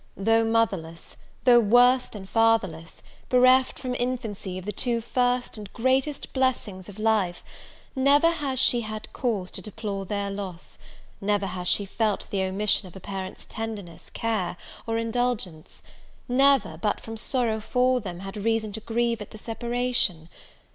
Though motherless, though worse than fatherless, bereft from infancy of the two first and greatest blessings of life, never has she had cause to deplore their loss; never has she felt the omission of a parent's tenderness, care, or indulgence; never, but from sorrow for them, had reason to grieve at the separation!